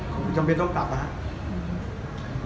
ผมจำเป็นต้องกลับนะครับ